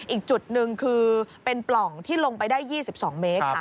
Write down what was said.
อีกจุดหนึ่งคือเป็นปล่องที่ลงไปได้๒๒เมตรค่ะ